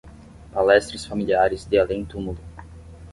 Palestras familiares de além-túmulo